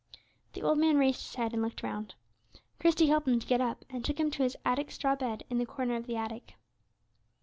The old man raised his head, and looked round. Christie helped him to get up, and took him to his attic straw bed in the corner of the attic.